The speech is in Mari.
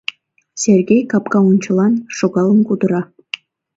— Сергей капка ончылан шогалын кутыра.